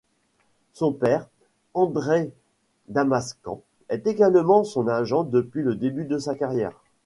Son père, Andrei Damascan, est également son agent depuis le début de sa carrière.